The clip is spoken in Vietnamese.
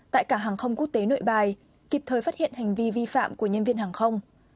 tại cảng hàng không quốc tế nội bài kịp thời phát hiện hành vi vi phạm của nhân viên hàng không